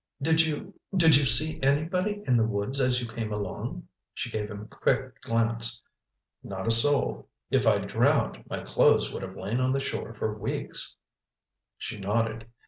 "Did you—did you see anybody in the woods as you came along?" She gave him a quick glance. "Not a soul. If I'd drowned, my clothes would have lain on the shore for weeks." She nodded.